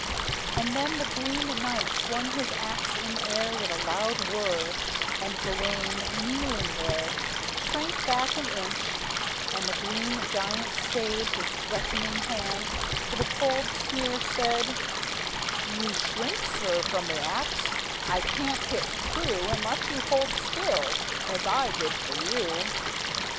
And then the Green Knight swung his axe in air With a loud whirr; and Gawayne, kneeling there, Shrank back an inch; and the green giant stayed His threatening hand, and with a cold sneer said: "You shrink, sir, from the axe; I can't hit true Unless you hold still, as I did for you."